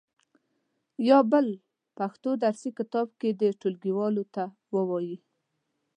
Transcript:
په بل پښتو درسي ساعت کې دې ټولګیوالو ته و وایي.